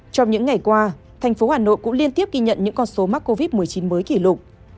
trong những ngày qua thành phố hà nội cũng liên tiếp ghi nhận những con số mắc covid một mươi chín mới kỷ lục